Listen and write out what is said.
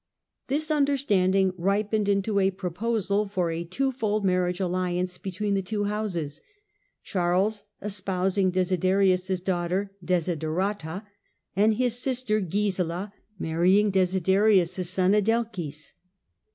This Jiderstanding ripened into a proposal for a twofold aarriage alliance between the two houses, Charles spousing Desiderius' daughter Desiderata, and his ister Gisla marrying Desiderius' son Adelchis.